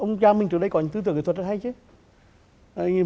ông cha mình trước đây có những tư tưởng kỹ thuật rất hay chứ